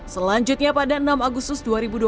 selanjutnya pada enam agus sus dua ribu dua puluh dua